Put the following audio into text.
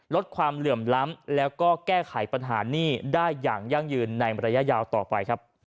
ลดความเหลื่อมล้ำแล้วก็แก้ไขปัญหานี่ได้อย่างยั่งยืนในระยะยาวต่อไปครับ